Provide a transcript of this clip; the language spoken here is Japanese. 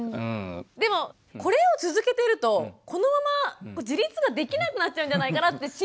でもこれを続けてるとこのまま自立ができなくなっちゃうんじゃないかなって心配にもなっちゃうんですが。